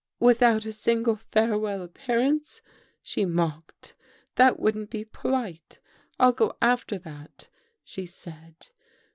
"'Without a single farewell appearance?' she mocked. ' That wouldn't be polite. I'll go after that," she said.